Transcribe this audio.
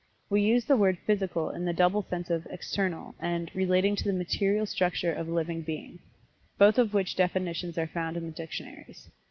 We use the word "Physical" in the double sense of "External," and "Relating to the material structure of a living being," both of which definitions are found in the dictionaries.